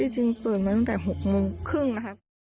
จริงเปิดมาตั้งแต่๖๓๐นะคะ